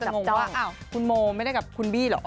เพราะกำลังจะงงว่าคุณโมไม่ได้กับคุณบี้เหรอ